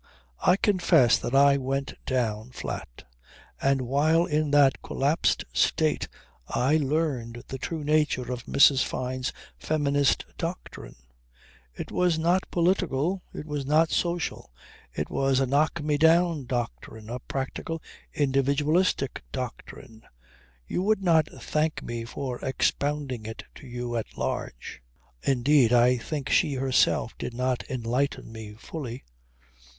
I confess that I went down flat. And while in that collapsed state I learned the true nature of Mrs. Fyne's feminist doctrine. It was not political, it was not social. It was a knock me down doctrine a practical individualistic doctrine. You would not thank me for expounding it to you at large. Indeed I think that she herself did not enlighten me fully.